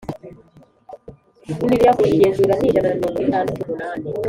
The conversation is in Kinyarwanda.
Imibiri yakorewe igenzura ni ijana na mirongo itandatu n umunani